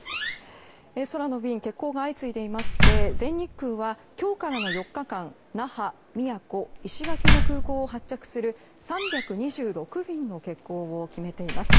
空の便、欠航が相次いでいまして全日空は今日からの４日間那覇、宮古、石垣の空港を発着する３２６便の欠航を決めています。